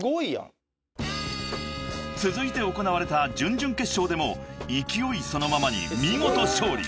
［続いて行われた準々決勝でも勢いそのままに見事勝利］